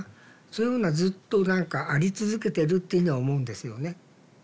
そういうものはずっと何かあり続けてるっていうのは思うんですよね。